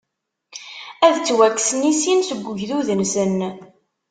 Ad ttwakksen i sin seg ugdud-nsen.